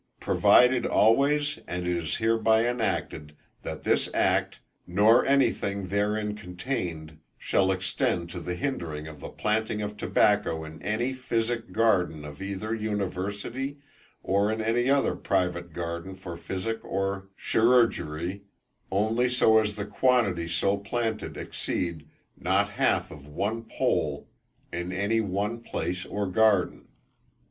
"Provided always and it is hereby enacted, That this act, nor any thing therein contained, shall extend to the hindering of the planting of tobacco in any physic garden of either university, or in any other private garden for physic or chyrurgery, only so as the quantity so planted exceed not half of one pole in any one place or garden."